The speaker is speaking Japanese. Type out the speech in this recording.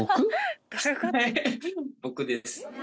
僕です。